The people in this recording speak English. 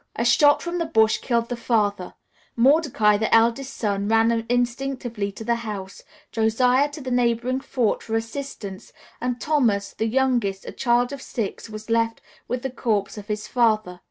A shot from the brush killed the father; Mordecai, the eldest son, ran instinctively to the house, Josiah to the neighboring fort, for assistance, and Thomas, the youngest, a child of six, was left with the corpse of his father.